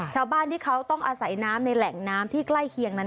ชาวบ้านที่เขาต้องอาศัยน้ำในแหล่งน้ำที่ใกล้เคียงนั้น